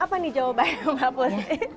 apa nih jawabannya mbak put